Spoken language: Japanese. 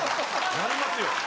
・なりますよ